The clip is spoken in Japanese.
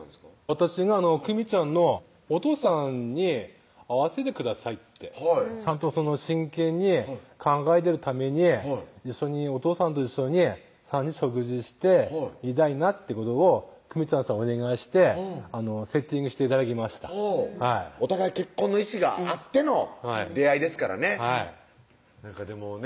私がくみちゃんのお父さんに会わせてくださいってちゃんと真剣に考えてるためにおとうさんと一緒に３人食事してみたいなってことをくみちゃんさお願いしてセッティングして頂きましたお互い結婚の意思があっての出会いですからねでもね